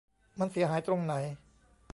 มันเสียหายตรงไหน ?